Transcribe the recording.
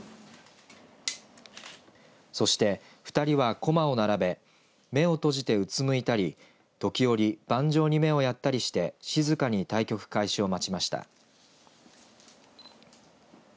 そして２人は駒を並べ目を閉じてうつむいたり時折、盤上に目をやったりして静かに対局開始を待ちました。